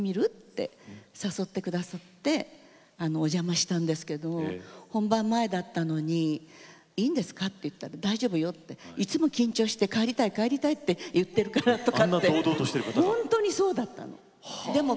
と誘ってくださってお邪魔したんですけれど本番前だったのにいいんですか？と言ったら大丈夫よといつも緊張して帰りたい帰りたいと言っているからと。